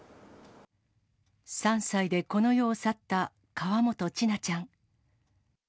３歳でこの世を去った河本千奈ちゃん。